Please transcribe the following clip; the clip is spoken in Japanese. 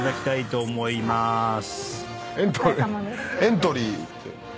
エントリー。